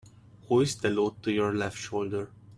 Hoist the load to your left shoulder.